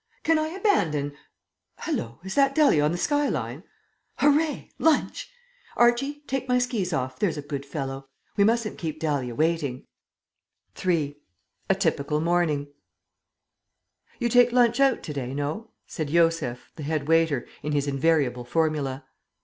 Can I abandon Hallo! is that Dahlia on the sky line? Hooray, lunch! Archie, take my skis off, there's a good fellow. We mustn't keep Dahlia waiting." III. A TYPICAL MORNING "You take lunch out to day no?" said Josef, the head waiter, in his invariable formula.